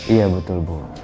iya betul bu